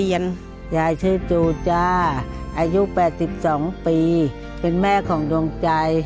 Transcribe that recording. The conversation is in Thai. ยายชื่อจูจ้าอายุ๘๒ปีเป็นแม่ของดวงใจ